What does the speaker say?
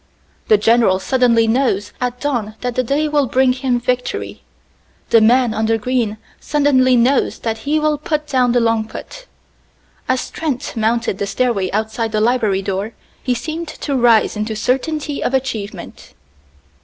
The general suddenly knows at dawn that the day will bring him victory; the man on the green suddenly knows that he will put down the long putt. As Trent mounted the stairway outside the library door he seemed to rise into certainty of achievement.